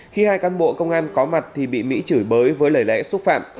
khi hai cán bộ công an có mặt thì bị mỹ chửi bới với lời lẽ xúc phạm